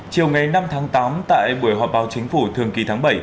chiều ngày năm tháng tám tại buổi họp báo chính phủ thường kỳ tháng bảy